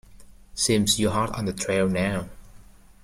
Seems you're hot on the trail now.